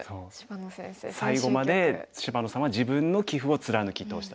最後まで芝野さんは自分の棋風を貫き通した。